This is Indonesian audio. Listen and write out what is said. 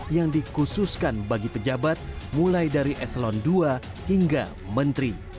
yang dikhususkan bagi pejabat mulai dari eselon ii hingga menteri